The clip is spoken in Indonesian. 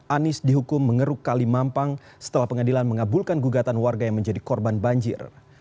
anies dihukum mengeruk kali mampang setelah pengadilan mengabulkan gugatan warga yang menjadi korban banjir